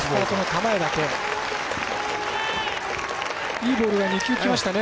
いいボールが２球きましたね。